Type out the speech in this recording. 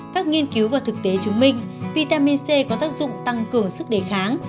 các nghiên cứu và thực tế chứng minh vitamin c có tác dụng tăng cường sức đề kháng